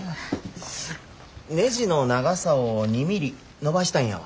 ねじの長さを２ミリ伸ばしたいんやわ。